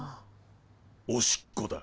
おしっこだ。